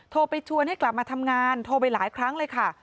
โทรไปชวนให้กลับมาทำงานโทรไปหลายครั้งเลยค่ะ